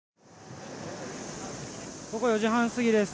午後４時半過ぎです。